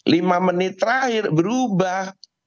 lima menit terakhir berubah